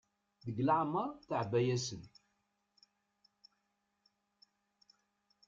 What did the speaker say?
Deg leɛmer teɛba-yasen.